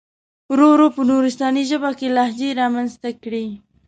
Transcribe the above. ورو ورو په نورستاني ژبه کې لهجې را منځته کړي.